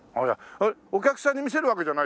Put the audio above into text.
お客さんに見せるわけじゃないでしょ？